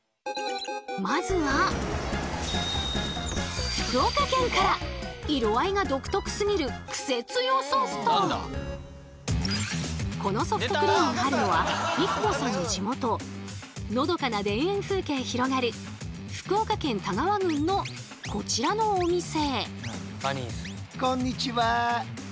まずはこのソフトクリームがあるのはＩＫＫＯさんの地元のどかな田園風景広がる福岡県田川郡のこちらのお店。